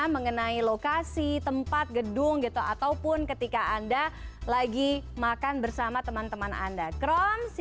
mengenai lokasi tempat gedung gitu ataupun ketika anda lagi makan bersama teman teman anda kron